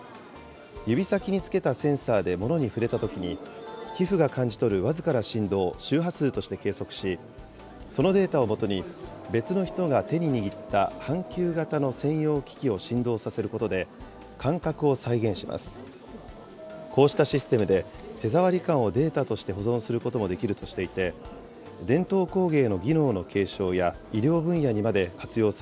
指先に付けたセンサーで物に触れたときに、皮膚が感じ取る僅かな振動を周波数として計測し、そのデータを基に、別の人が手に握った半球型の専用機器を振動させることで、感覚を再現します。